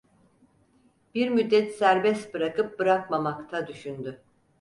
Bir müddet serbest bırakıp bırakmamakta düşündü.